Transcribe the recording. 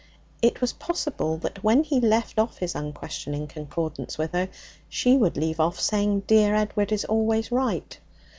It was possible that when he left off his unquestioning concordance with her, she would leave off saying 'Dear Edward is always right.'